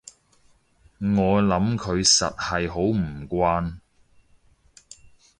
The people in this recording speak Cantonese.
我諗佢實係好唔慣